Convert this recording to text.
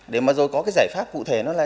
để mà rồi có cái giải pháp của chúng ta